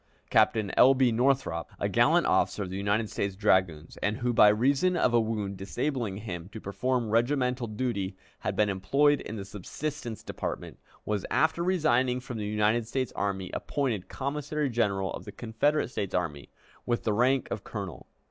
Captain L. B. Northrop, a gallant officer of the United States Dragoons, and who, by reason of a wound disabling him to perform regimental duty, had been employed in the subsistence department, was, after resigning from the United States Army, appointed Commissary General of the Confederate States Army, with the rank of colonel.